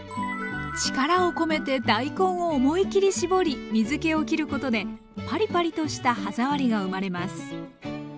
力を込めて大根を思い切り絞り水けを切ることでパリパリとした歯触りが生まれます。